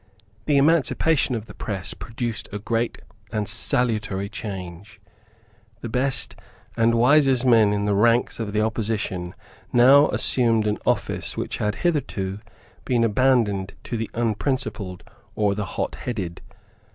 The emancipation of the press produced a great and salutary change. The best and wisest men in the ranks of the opposition now assumed an office which had hitherto been abandoned to the unprincipled or the hotheaded.